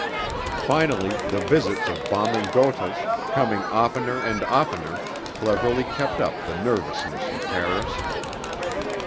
Finally the visits of bombing Gothas, coming oftener and oftener, cleverly kept up the nervousness of Paris.